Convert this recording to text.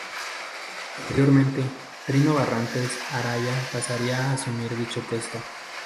Posteriormente, Trino Barrantes Araya pasaría a asumir dicho puesto.